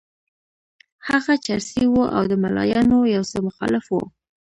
هغه چرسي وو او د ملایانو یو څه مخالف وو.